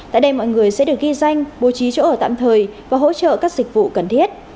tại đây mọi người sẽ được ghi danh bố trí chỗ ở tạm thời và hỗ trợ các dịch vụ cần thiết